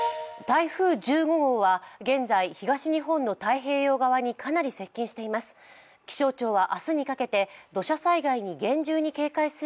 台風１５号は現在、東日本の太平洋側にかなり接近しています。